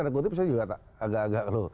tanda kutip saya juga agak agak